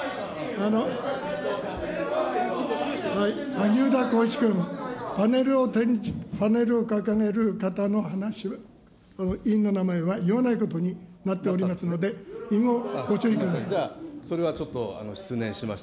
萩生田光一君、パネルを掲げる方の委員の名前は、言わないことになっておりますのじゃあ、それはちょっと失念しました。